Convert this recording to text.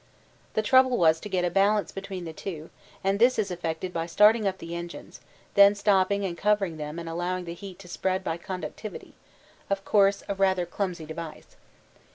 The trouble was to get a balance between the two, and this is effected by starting up the engines, then stopping and covering them and allowing the heat to spread by conductivity of course, a rather clumsy device.